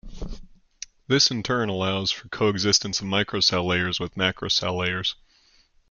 This in turn allows for co-existence of microcell layers with macrocell layers.